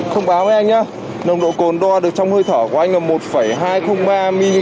không báo với anh nhé nồng độ cồn đo được trong hơi thở của anh là một hai trăm linh ba mg trên lít nha anh nhé